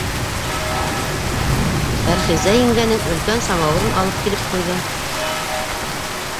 Фәрхизә еңгәнең өлкән самауырын алып килеп ҡуйҙы.